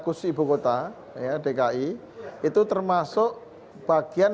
khusus ibu kota ya dki itu termasuk bagian